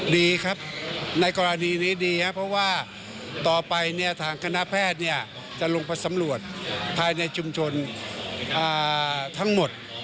ดีครับในกรณีนี้ดีครับเพราะว่าต่อไปเนี่ยทางคณะแพทย์จะลงไปสำรวจภายในชุมชนทั้งหมด